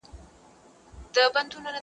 زه کولای سم کالي وچوم!